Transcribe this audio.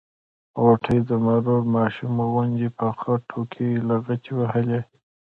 غوټۍ د مرور ماشوم غوندې په خټو کې لغتې وهلې.